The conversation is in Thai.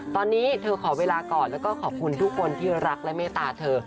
ตอนนี้เธอขอเวลาก่อนแล้วก็ขอบคุณทุกคนที่รักและเมตตาเธอ